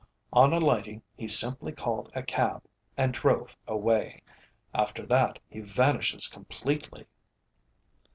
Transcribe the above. On alighting he simply called a cab and drove away. After that he vanishes completely."